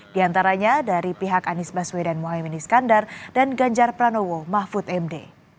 di antaranya dari pihak anies baswedan mohaimin iskandar dan ganjar pranowo mahfud md